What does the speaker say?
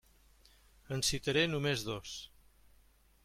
En citaré només dos.